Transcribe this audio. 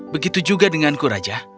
begitu juga denganku raja